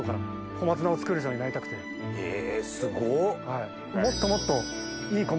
えすごっ！